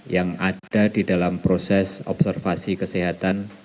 yang ada di dalam proses observasi kesehatan